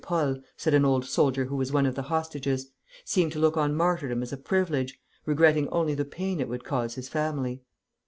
Paul," said an old soldier who was one of the hostages, "seemed to look on martyrdom as a privilege, regretting only the pain it would cause his family."